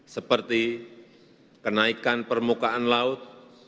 seperti kenaikan permukaan laut